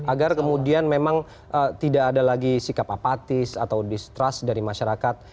agar kemudian memang tidak ada lagi sikap apatis atau distrust dari masyarakat